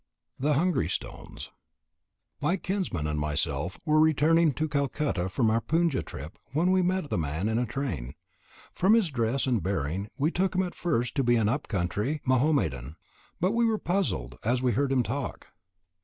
THE HUNGRY STONES My kinsman and myself were returning to Calcutta from our Puja trip when we met the man in a train. From his dress and bearing we took him at first for an up country Mahomedan, but we were puzzled as we heard him talk.